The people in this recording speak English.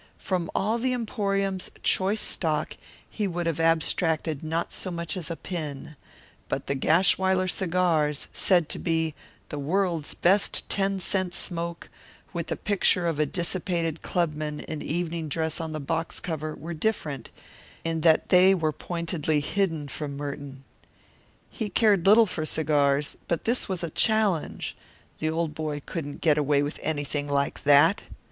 From all the emporium's choice stock he would have abstracted not so much as a pin; but the Gashwiler cigars, said to be "The World's Best 10c Smoke," with the picture of a dissipated clubman in evening dress on the box cover, were different, in that they were pointedly hidden from Merton. He cared little for cigars, but this was a challenge; the old boy couldn't get away with anything like that.